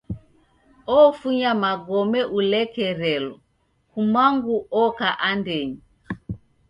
Ofunya magome ulekerelo kumangu oka andenyi.